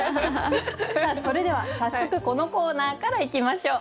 それでは早速このコーナーからいきましょう。